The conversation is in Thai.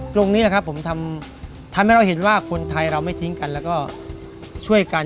ตรงนี้แหละครับผมทำให้เราเห็นว่าคนไทยเราไม่ทิ้งกันแล้วก็ช่วยกัน